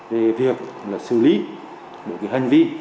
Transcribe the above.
về việc xử lý hình ảnh